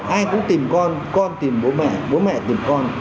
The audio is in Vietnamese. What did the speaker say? ai cũng tìm con con tìm bố mẹ bố mẹ tìm con